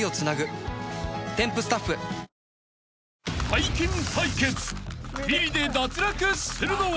［背筋対決ビリで脱落するのは？］